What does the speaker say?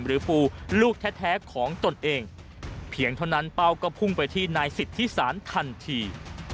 หรือปูลูกแท้ของตนเองเพียงเท่านั้นเป้าก็พุ่งไปที่นายสิทธิสารทันที